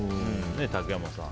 竹山さん。